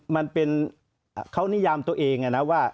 มันเป็นเขานิยามตัวเองนะว่า